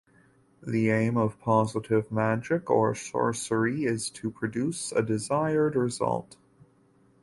The aim of positive magic or sorcery is to produce a desired result.